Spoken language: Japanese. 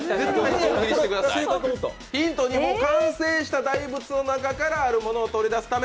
ヒント２、完成した大仏の中からあるものを取り出すため。